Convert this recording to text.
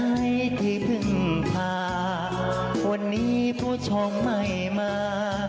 ก่อนที่จะก่อเหตุนี้นะฮะไปดูนะฮะสิ่งที่เขาได้ทิ้งเอาไว้นะครับ